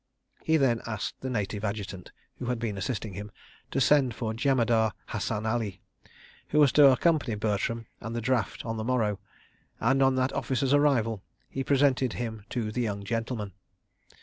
He then asked the Native Adjutant, who had been assisting him, to send for Jemadar Hassan Ali, who was to accompany Bertram and the draft on the morrow, and on that officer's arrival he presented him to the young gentleman.